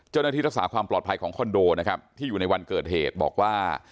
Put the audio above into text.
เจ้าหน้าที่รักษาความปลอดภัยของคอนโดนะครับที่อยู่ในวันเกิดเหตุบอกว่า